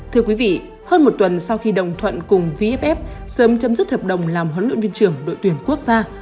thưa quý vị hơn một tuần sau khi đồng thuận cùng vff sớm chấm dứt hợp đồng làm huấn luyện viên trưởng đội tuyển quốc gia